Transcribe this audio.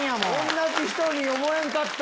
同じ人に思えんかった！